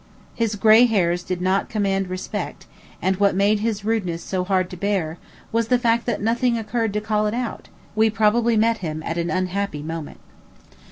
His gray hairs did not command respect; and what made his rudeness so hard to bear, was the fact that nothing occurred to call it out. We probably met him at an unhappy moment.